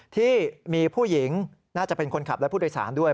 ที่มีผู้หญิงน่าจะเป็นคนขับและผู้โดยสารด้วย